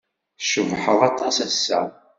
Tcebḥed aṭas ass-a.